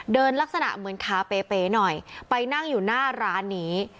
ลักษณะเหมือนขาเป๋หน่อยไปนั่งอยู่หน้าร้านนี้